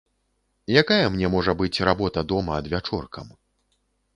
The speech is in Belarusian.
Якая мне можа быць работа дома адвячоркам?